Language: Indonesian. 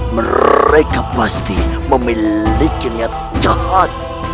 mereka pasti memilikinya jahat